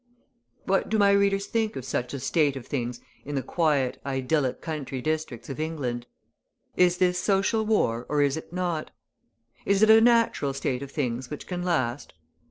What do my readers think of such a state of things in the quiet, idyllic country districts of England? Is this social war, or is it not? Is it a natural state of things which can last?